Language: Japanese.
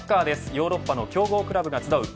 ヨーロッパの強豪クラブが集うＵＥＦＡ